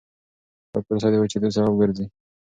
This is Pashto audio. دا پروسه د وچېدو سبب ګرځي.